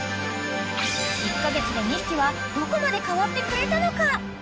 ［１カ月で２匹はどこまで変わってくれたのか］